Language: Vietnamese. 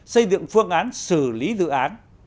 xây dựng phương án xử lý dự án